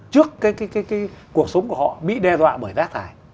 trước cuộc sống của họ bị đe dọa bởi rác hải